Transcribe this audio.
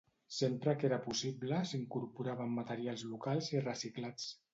Sempre que era possible s'incorporaven materials locals i reciclats.